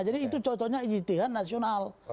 jadi itu contohnya ijtihan nasional